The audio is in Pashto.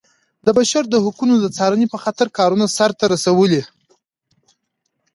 د بشر د حقونو د څارنې په خاطر کارونه سرته رسولي.